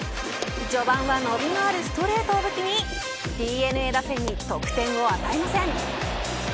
序盤は伸びのあるストレートを武器にＤｅＮＡ打線に得点を与えません。